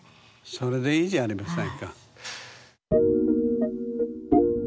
それでいいじゃありませんか。